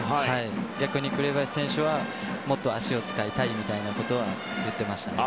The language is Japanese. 逆に紅林選手はもっと足を使いたいみたいなことは言ってましたね。